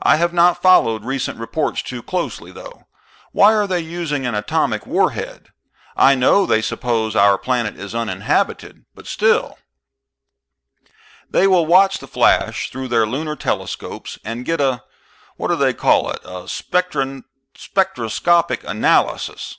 "I have not followed recent reports too closely, though. Why are they using an atomic warhead? I know they suppose our planet is uninhabited, but still " "They will watch the flash through their lunar telescopes and get a what do they call it? a spectroscopic analysis.